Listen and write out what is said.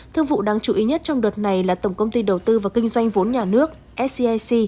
thương vụ đáng chú ý nhất trong đợt này là tổng công ty đầu tư và kinh doanh vốn nhà nước scic